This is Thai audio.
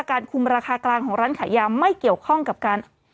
การคุมราคากลางของร้านขายยาไม่เกี่ยวข้องกับการ